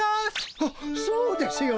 ハッそうですよね！